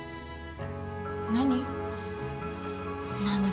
何？